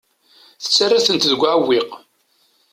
Tettarra-tent deg uɛewwiq.